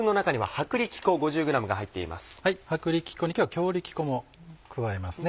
薄力粉に今日は強力粉も加えますね。